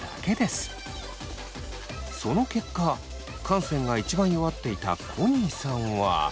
その結果汗腺が一番弱っていたコニーさんは。